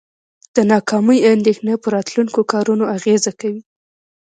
د ناکامۍ اندیښنه په راتلونکو کارونو اغیزه کوي.